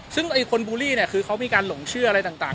ซึ่งคนบูลลี่เนี่ยคือเขามีการหลงเชื่ออะไรต่าง